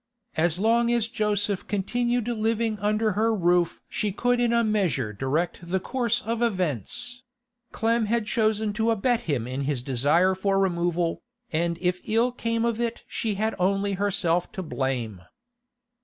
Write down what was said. As long as Joseph continued living under her roof she could in a measure direct the course of events; Clem had chosen to abet him in his desire for removal, and if ill came of it she had only herself to blame.